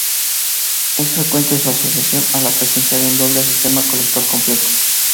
Es frecuente su asociación a la presencia de un doble sistema colector completo.